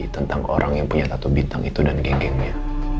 tentang orang yang punya tattoo bintang itu dan geng gengnya